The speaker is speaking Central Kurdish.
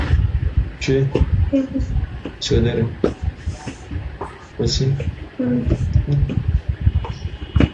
شیعرێکی بۆ خوێندمەوە لەسەر شۆڕشی نووسیبوو